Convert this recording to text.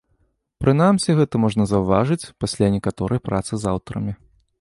Прынамсі гэта можна заўважыць пасля некаторай працы з аўтарамі.